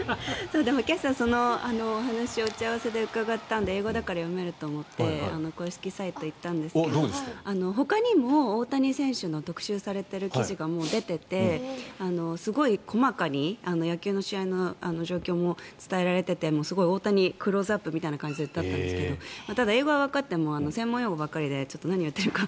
今朝、話を打ち合わせで聞いたので英語だから読めると思って公式サイトに行ったんですがほかにも大谷選手の特集されている記事が出ててすごい細かに野球の試合の状況も伝えられていてすごい大谷クローズアップみたいな感じだったんですがただ英語はわかっても専門用語ばかりで何を言っているか